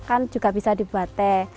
kan juga bisa dibuat teh